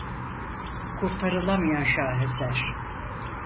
Kurtarılamayan şaheser.